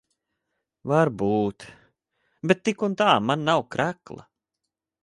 Varbūt. Bet tik un tā man nav krekla.